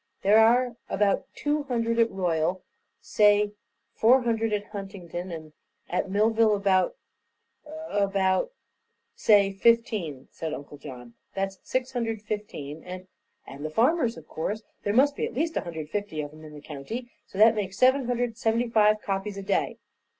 "There are about two hundred at Royal, say four hundred at Huntingdon, at Millville about about " "Say fifteen," said Uncle John; "that's six hundred and fifteen, and " "And the farmers, of course. There must be at least a hundred and fifty of 'em in the county, so that makes seven hundred and seventy five copies a day."